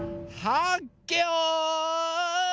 はっけよい。